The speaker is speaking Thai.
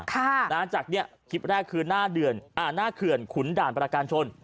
จากเนี้ยคลิปแรกคือหน้าเขื่อนขุนด่านประการชน